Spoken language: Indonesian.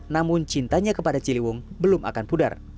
namun cintanya kepada ciliwung belum akan pudar